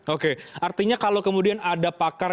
oke artinya kalau kemudian ada pakar